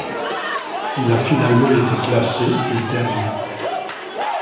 Il a finalement été classé et dernier.